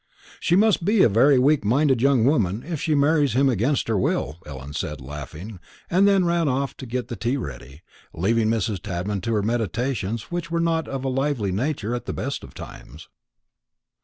"She must be a very weak minded young woman if she marries him against her will," Ellen said laughing; and then ran off to get the tea ready, leaving Mrs. Tadman to her meditations, which were not of a lively nature at the best of times.